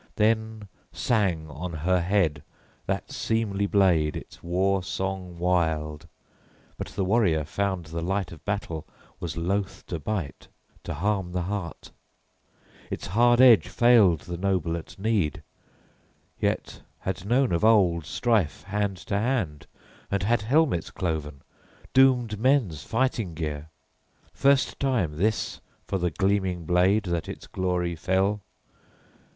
Then sang on her head that seemly blade its war song wild. But the warrior found the light of battle {22a} was loath to bite, to harm the heart: its hard edge failed the noble at need, yet had known of old strife hand to hand, and had helmets cloven, doomed men's fighting gear. First time, this, for the gleaming blade that its glory fell.